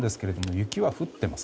雪、降っています。